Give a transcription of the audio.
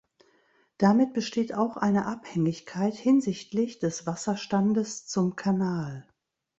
Damit besteht auch eine Abhängigkeit hinsichtlich des Wasserstandes zum Kanal.